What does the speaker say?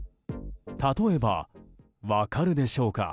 例えば、分かるでしょうか